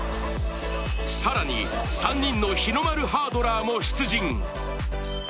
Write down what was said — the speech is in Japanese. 更に３人の日の丸ハードラーも出陣。